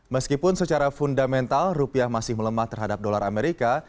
meskipun secara fundamental rupiah masih melemah terhadap dolar amerika